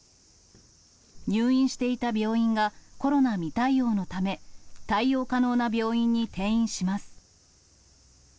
入院していた病院がコロナ未対応のため、対応可能な病院に転院します。